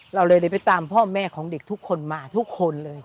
เราเลยไปตามพ่อแม่ของเด็กทุกคนมาทุกคนเลย